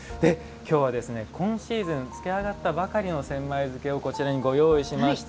今日は、今シーズン漬け上がったばかりの千枚漬をこちらにご用意しました。